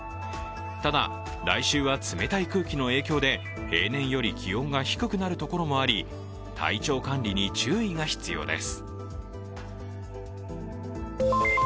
ただ、来週は冷たい空気の影響で平年より気温が低くなるところもあり、体調管理に注意が必要です。